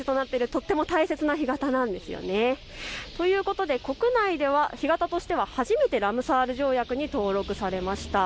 とても大切な干潟なんですよね。ということで国内では干潟としては初めてラムサール条約に登録されました。